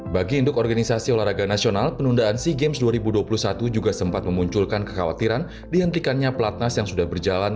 bagi induk organisasi olahraga nasional penundaan sea games dua ribu dua puluh satu juga sempat memunculkan kekhawatiran dihentikannya pelatnas yang sudah berjalan